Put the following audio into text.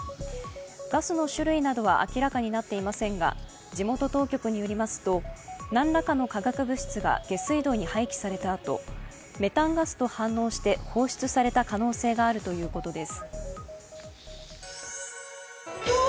ガスの種類などは明らかになっていませんが、地元当局によりますと、何らかの化学物質が下水道に廃棄されたあとメタンガスと反応して放出された可能性があるということです。